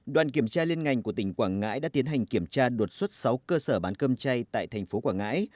đoàn kiểm tra liên ngành của tỉnh quảng ngãi đã tiến hành kiểm tra đột xuất sáu cơ sở bán cơm chay tại thành phố quảng ngãi